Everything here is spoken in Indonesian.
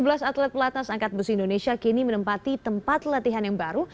dua belas atlet pelatnas angkat besi indonesia kini menempati tempat latihan yang baru